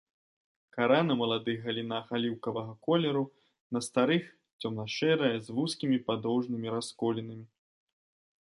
Кара на маладых галінах аліўкавага колеру, на старых цёмна-шэрая з вузкімі падоўжнымі расколінамі.